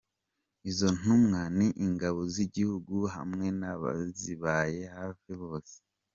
Izo Ntumwa ni "Ingabo z’Igihugu" hamwe n’abazibaye hafi bose.